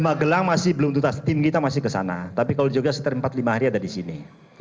nah kalau lima gelang masih belum tutas tim kita masih ke sana tapi kalau juga seterima empat lima hari ada di sini